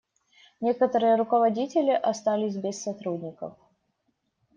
Некоторые руководители остались без сотрудников.